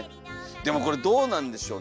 でもこれどうなんでしょう。